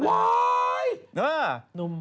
โอ๊ยนุ่ม